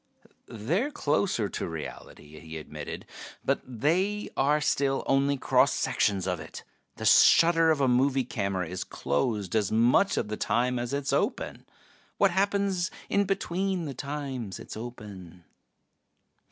"They're closer to reality," he admitted. "But they are still only cross sections of it. The shutter of a movie camera is closed as much of the time as it is open. What happens in between the times it's open?